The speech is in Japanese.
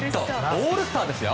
オールスターですよ。